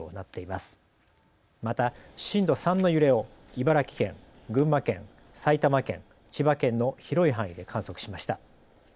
また震度３の揺れを茨城県、群馬県、埼玉県、千葉県の広い範囲で観測しました。